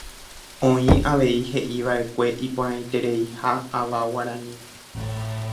Oĩ avei heʼívaʼekue iporãitereiha ava guarani.